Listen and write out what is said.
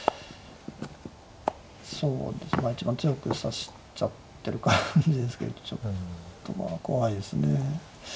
そうですねまあ一番強く指しちゃってる感じですけどちょっとまあ怖いですね。